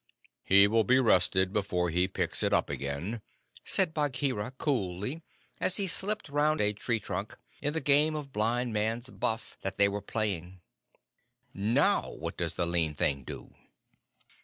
"He will be rested before he picks it up again," said Bagheera coolly, as he slipped round a tree trunk, in the game of blindman's buff that they were playing. "Now, what does the lean thing do?"